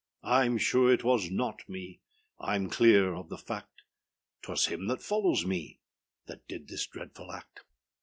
Iâm sure it was not me, Iâm clear of the fact; âTwas him that follows me That did this dreadful act.